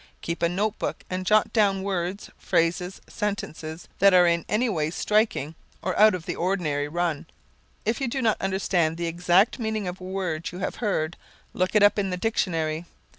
Keep a notebook and jot down words, phrases, sentences that are in any way striking or out of the ordinary run. If you do not understand the exact meaning of a word you have heard, look it up in the dictionary.